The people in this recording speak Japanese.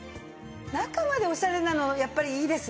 中までオシャレなのやっぱりいいですね。